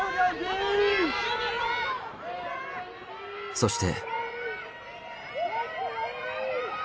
そして。